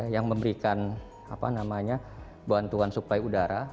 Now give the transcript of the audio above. yang memberikan bantuan suplai udara